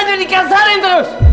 minta aja dikazarin terus